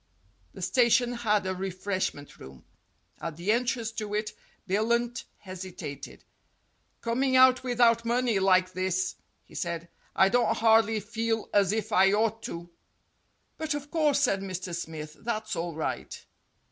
The station had a refreshment room. At the en trance to it Billunt hesitated. "Coming out without money, like this," he said, "I don't hardly feel as if I ought to." "But, of course," said Mr. Smith, "that's all right."